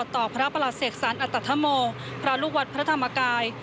ต่อพระประหลักษารอัตธโมพระลูกวัดพระธรรมกาย